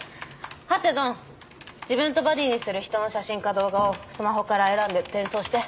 ハセドン自分とバディにする人の写真か動画をスマホから選んで転送して。